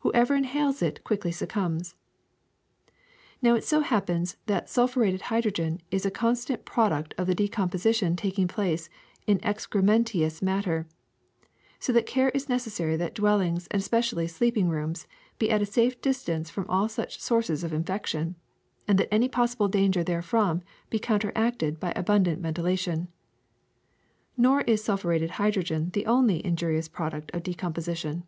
Whoever inhales it quickly succumbs. ^^Now it so happens that sulphureted hydrogen is a constant product of the decomposition taking place in excrementitious matter, so that care is necessary that dwellings and especially sleeping rooms be at a safe distance from all such sources of infection, and that any possible danger therefrom be counteracted by abundant ventilation. *^Nor is sulphureted hydrogen the only injarious product of decomposition.